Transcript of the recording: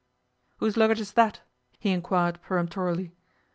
'Whose luggage is that?' he inquired peremptorily.